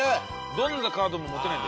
どんなカードも持てない。